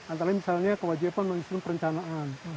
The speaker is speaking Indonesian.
antara misalnya kewajiban menunjukkan perencanaan